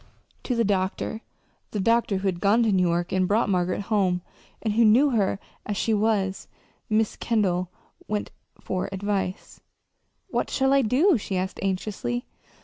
To the doctor the doctor who had gone to New York and brought Margaret home, and who knew her as she was Mrs. Kendall went for advice. "What shall I do?" she asked anxiously.